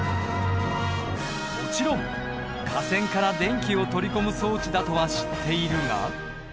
もちろん架線から電気を取り込む装置だとは知っているが。